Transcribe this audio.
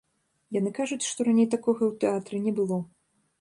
Яны кажуць, што раней такога ў тэатры не было.